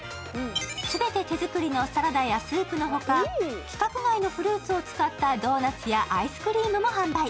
全て手作りのサラダやスープの他、規格外のフルーツを使ったドーナツやアイスクリームも販売。